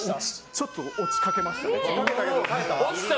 ちょっと落ちかけました。